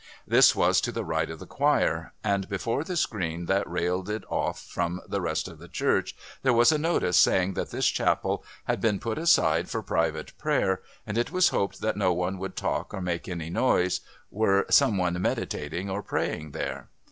This was to the right of the choir, and before the screen that railed it off from the rest of the church there was a notice saying that this Chapel had been put aside for private prayer and it was hoped that no one would talk or make any noise, were some one meditating or praying there.